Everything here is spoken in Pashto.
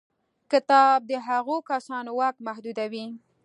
کتاب د هغو کسانو واک محدودوي.